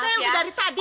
saya yang berjari tadi